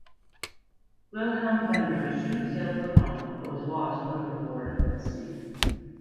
Wilhelm Bender soon sailed for home, but was lost overboard at sea.